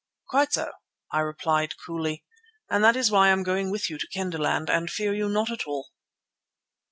"Quite so," I replied coolly, "and that is why I am going with you to Kendahland and fear you not at all."